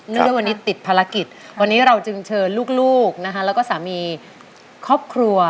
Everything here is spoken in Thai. เรื่องด้วยวันนี้ติดภารกิจวันนี้เราจึงเชิญลูกนะคะแล้วก็สามีครอบครัว